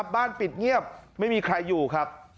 ปิดเงียบไม่มีใครอยู่ครับ